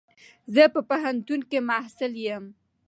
زه په پوهنتون کي محصل يم.